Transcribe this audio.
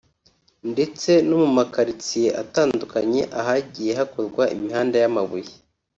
ndetse no mu ma karitsiye atandukanye ahagiye hakorwa imihanda y’amabuye